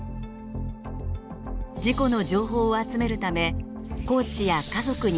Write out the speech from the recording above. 事故の情報を集めるためコーチや家族にヒアリング。